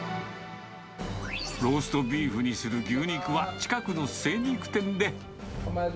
ローストビーフにする牛肉は、近くの精肉店で。